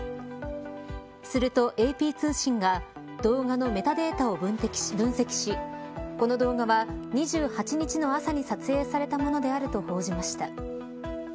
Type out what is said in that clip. するとＡＰ通信が動画のメタデータを分析しこの動画は２８日の朝に撮影されたものであると報じました。